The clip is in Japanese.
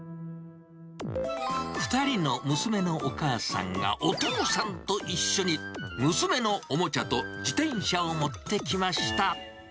２人の娘のお母さんがお父さんと一緒に、娘のおもちゃと自転車を持ってきました。